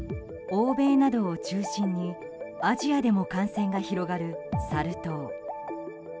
欧米などを中心にアジアでも感染が広がるサル痘。